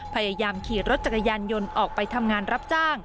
พยายามขี่รถจักรยานยนต์ออกไปทำงานรับจ้าง